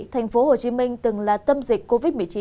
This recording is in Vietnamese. tp hcm từng là tâm dịch covid một mươi chín